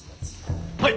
はい！